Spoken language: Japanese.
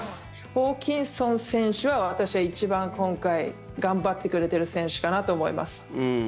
ホーキンソン選手は私は一番、今回頑張ってくれている選手かなと思います。